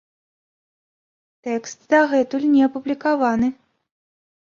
Тэкст дагэтуль не апублікаваны.